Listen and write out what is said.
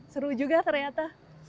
seru juga ternyata